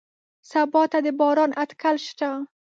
سبا ته د باران اټکل شته